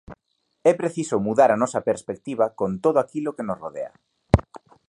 É preciso mudar a nosa perspectiva con todo aquilo que nos rodea.